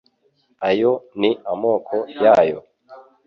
Ayo ni Amoko yayo